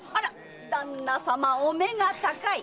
旦那さまお目が高い！